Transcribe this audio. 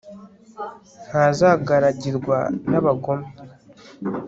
ntazagaragirwa n'abagome